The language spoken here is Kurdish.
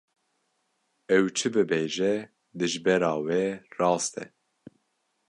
Ew çi bibêje, dijbera wê rast e.